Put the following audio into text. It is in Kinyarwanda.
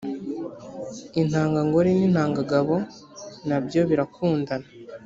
intanga ngore n intanga ngabo na byo birakundana